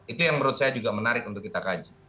itu yang menurut saya juga menarik untuk kita kaji